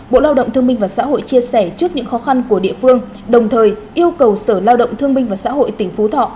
bộ lao động thương minh và xã hội chia sẻ trước những khó khăn của địa phương đồng thời yêu cầu sở lao động thương minh và xã hội tỉnh phú thọ